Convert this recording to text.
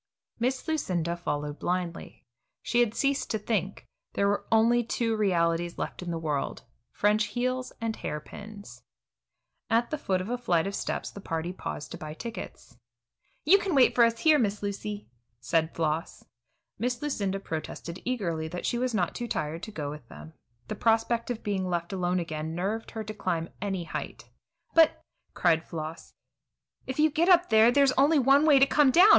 Miss Lucinda followed blindly. She had ceased to think; there were only two realities left in the world, French heels and hair pins. At the foot of a flight of steps the party paused to buy tickets. "You can wait for us here, Miss Lucy," said Floss. Miss Lucinda protested eagerly that she was not too tired to go with them. The prospect of being left alone again nerved her to climb to any height. "But," cried Floss, "if you get up there, there's only one way to come down.